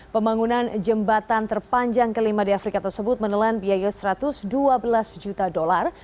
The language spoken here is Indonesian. pembangunan jembatan terpanjang kelima di afrika tersebut menelan biaya satu ratus dua belas juta dolar